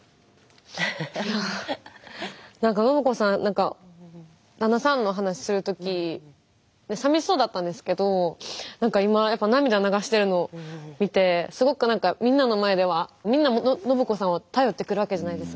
いやあなんか信子さんなんか旦那さんの話する時さみしそうだったんですけど今涙流してるのを見てすごくなんかみんなの前ではみんな信子さんを頼ってくるわけじゃないですか。